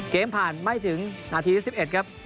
ผ่านไม่ถึงนาที๑๑ครับ